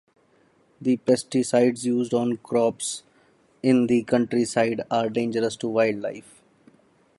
The pesticides used on crops in the countryside are dangerous to wildlife.